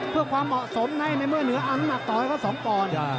เพื่อความเหมาะสมในเมื่อเหนืออังมาต่อให้เขาส่องก่อน